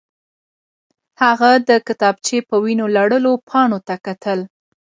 هغه د کتابچې په وینو لړلو پاڼو ته کتل